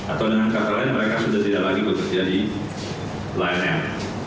atau dengan kata lain mereka sudah tidak lagi bekerja di lion air